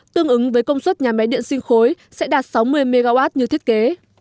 tương ứng với công suất nhà máy điện sinh khối sẽ đạt sáu mươi mw như thiết kế